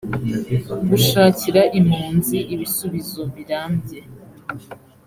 gushakira impunzi ibisubizo birambye